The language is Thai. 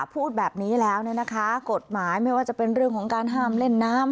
พูดแบบนี้แล้วเนี่ยนะคะกฎหมายไม่ว่าจะเป็นเรื่องของการห้ามเล่นน้ำ